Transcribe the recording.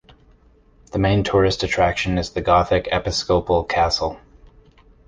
The main tourist attraction is the Gothic Episcopal castle.